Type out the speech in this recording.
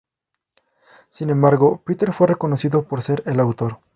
Sin embargo, Peter fue reconocido por ser el autor.